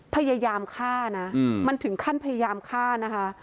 พยายามฆ่านะมันถึงขั้นพยายามฆ่านะคะ